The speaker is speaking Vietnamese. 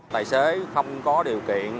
tài xế không có điều kiện